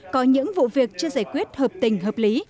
có những vụ việc chưa giải quyết hợp tình hợp lý